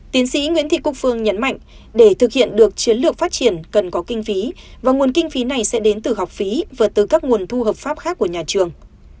tiến sĩ nguyễn thị quốc phương nhấn mạnh để thực hiện được chiến lược phát triển cần có kinh phí và nguồn kinh phí này sẽ đến từ học phí và từ các nguồn thu hợp pháp khác của nhà trường